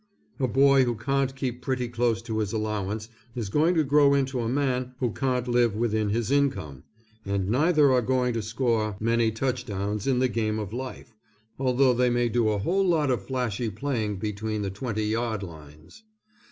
A boy who can't keep pretty close to his allowance, is going to grow into a man who can't live within his income, and neither are going to score many touchdowns in the game of life, although they may do a whole lot of flashy playing between the twenty yard lines.